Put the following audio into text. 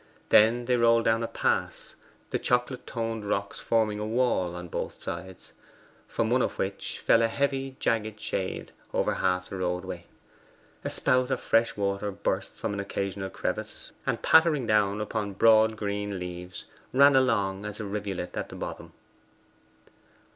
Then they rolled down a pass, the chocolate toned rocks forming a wall on both sides, from one of which fell a heavy jagged shade over half the roadway. A spout of fresh water burst from an occasional crevice, and pattering down upon broad green leaves, ran along as a rivulet at the bottom.